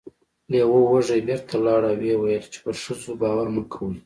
لیوه وږی بیرته لاړ او و یې ویل چې په ښځو باور مه کوئ.